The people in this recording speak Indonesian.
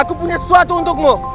aku punya sesuatu untukmu